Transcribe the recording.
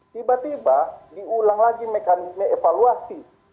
tiba tiba diulang lagi mekanisme evaluasi